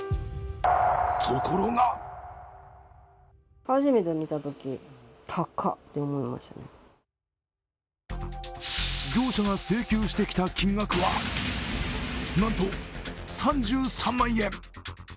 ところが業者が請求してきた金額はなんと３３万円。